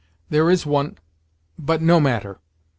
There is one but no matter.